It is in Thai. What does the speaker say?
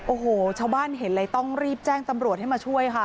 โอ้โหชาวบ้านเห็นเลยต้องรีบแจ้งตำรวจให้มาช่วยค่ะ